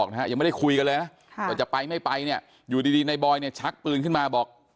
ก็จะไปไม่ไปเนี่ยอยู่ดีนายบอยเนี่ยชักปืนขึ้นมาบอก